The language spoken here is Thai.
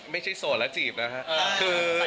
ไม่ใช่โสดแล้วจีบนะครับ